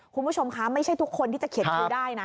คุณผู้ชมคะไม่ใช่ทุกคนที่จะเขียนครูได้นะ